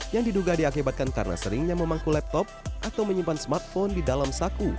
yang diduga diakibatkan karena seringnya memangku laptop atau menyimpan smartphone di dalam saku